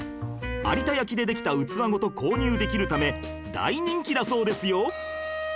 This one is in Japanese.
有田焼でできた器ごと購入できるため大人気だそうですよ